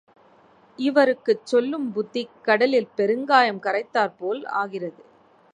இவருக்குச் சொல்லும் புத்தி கடலிற் பெருங்காயம் கரைத்தாற் போல் ஆகிறது.